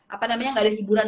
apa namanya gak ada hiburan